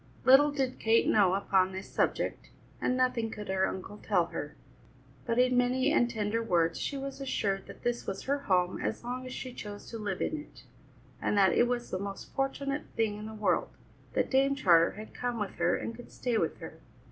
Little did Kate know upon this subject, and nothing could her uncle tell her; but in many and tender words she was assured that this was her home as long as she chose to live in it, and that it was the most fortunate thing in the world that Dame Charter had come with her and could stay with her.